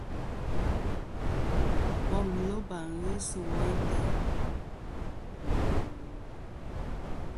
Bom loba ghɨ sɨ woynda.